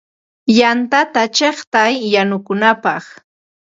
Yantata chiqtay yanukunapaq.